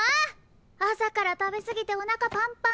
あさからたべすぎておなかパンパン！